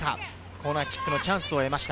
コーナーキックのチャンスを得ました。